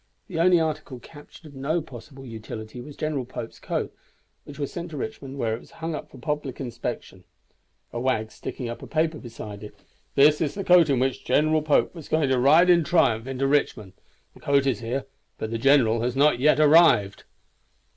The only article captured of no possible utility was General Pope's coat, which was sent to Richmond, where it was hung up for public inspection; a wag sticking up a paper beside it, "This is the coat in which General Pope was going to ride in triumph into Richmond. The coat is here, but the general has not yet arrived."